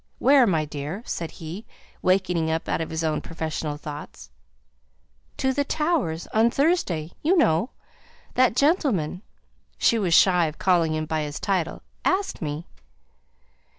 "Where, my dear?" said he, wakening up out of his own professional thoughts. "To the Towers on Thursday, you know. That gentleman" (she was shy of calling him by his title), "asked me."